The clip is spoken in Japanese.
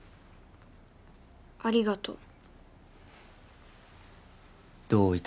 ありがとう。